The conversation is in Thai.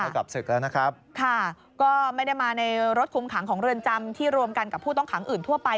กับศึกแล้วนะครับค่ะก็ไม่ได้มาในรถคุมขังของเรือนจำที่รวมกันกับผู้ต้องขังอื่นทั่วไป